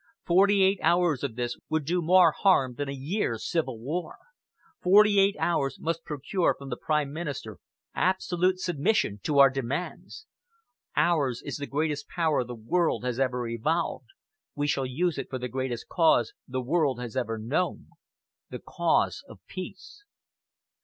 Forty eight hours of this would do more harm than a year's civil war. Forty eight hours must procure from the Prime Minister absolute submission to our demands. Ours is the greatest power the world has ever evolved. We shall use it for the greatest cause the world has ever known the cause of peace."